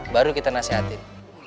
baru kita nasihatin